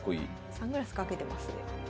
サングラスかけてますね。